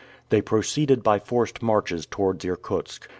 They proceeded by forced marches towards Irkutsk.